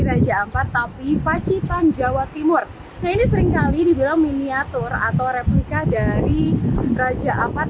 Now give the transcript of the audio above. raja ampat tapi pacitan jawa timur nah ini seringkali dibilang miniatur atau replika dari raja ampat